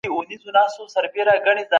دوی کله د صابون جوړول پیل کړل؟